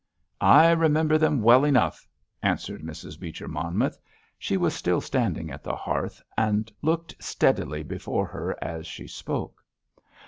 "I remember them well enough!" answered Mrs. Beecher Monmouth. She was still standing at the hearth, and looked steadily before her as she spoke.